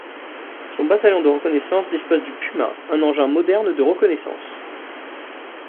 Son bataillon de reconnaissance dispose du Puma, un engin moderne de reconnaissance.